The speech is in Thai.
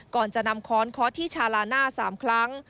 ก่อนจะนำค้อนเคาะที่ชาลาหน้า๓ครั้ง